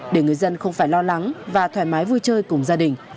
để người dân không phải lo lắng và thoải mái vui chơi cùng gia đình